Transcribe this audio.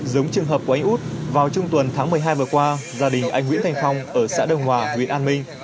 giống trường hợp quá út vào trung tuần tháng một mươi hai vừa qua gia đình anh nguyễn thành phong ở xã đồng hòa huyện an minh